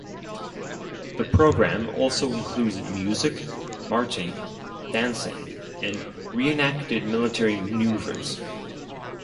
The program also includes music, marching, dancing and re-enacted military maneuvers.